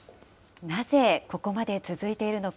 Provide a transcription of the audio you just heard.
なぜここまで続いているのか。